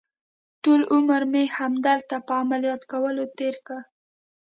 ټول عمر مې همدلته په عملیات کولو تېر کړ.